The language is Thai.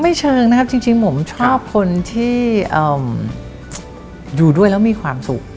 เชิงนะครับจริงผมชอบคนที่อยู่ด้วยแล้วมีความสุข